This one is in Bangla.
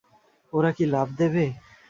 ওরা কি লাফ দেবে?